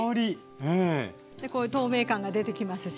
こう透明感が出てきますし。